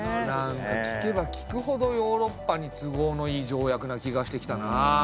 なんか聞けば聞くほどヨーロッパに都合のいい条約な気がしてきたなあ。